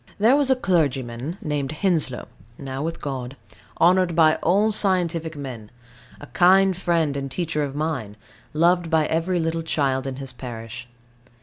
There was a clergyman named Henslow, now with God, honoured by all scientific men, a kind friend and teacher of mine, loved by every little child in his parish.